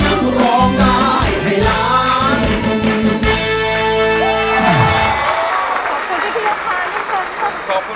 ขอบคุณที่พี่ราคาทุ่งคนนะครับ